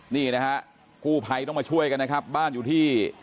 นี่นะฮะกู้ภัยต้องมาช่วยกันนะครับบ้านอยู่ที่